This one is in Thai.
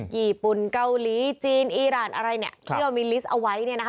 ญี่ปุ่นเกาหลีจีนอีรานอะไรเนี่ยที่เรามีลิสต์เอาไว้เนี่ยนะคะ